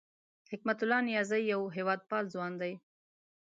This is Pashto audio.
حکمت الله نیازی یو هېواد پال ځوان دی